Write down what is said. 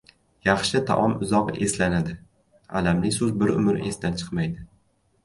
• Yaxshi taom uzoq eslanadi, alamli so‘z bir umr esdan chiqmaydi.